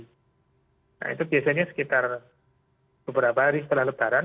nah itu biasanya sekitar beberapa hari setelah lebaran